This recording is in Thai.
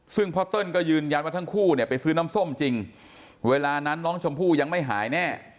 ซึ่งพ่อเติ้ลก็ยืนยันว่าทั้งคู่เนี่ยไปซื้อน้ำส้มจริงเวลานั้นน้องชมพู่ยังไม่หายแน่